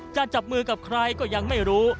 จับมือกับใครก็ยังไม่รู้